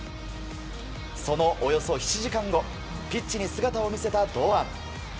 そのおよそ７時間後ピッチに姿を見せた堂安。